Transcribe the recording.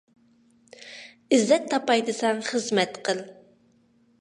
ئىززەت تاپاي دىسەڭ خىزمەت قىل.